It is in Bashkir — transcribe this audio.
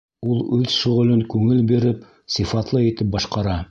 Ул үҙ шөғөлөн күңел биреп, сифатлы итеп башҡара.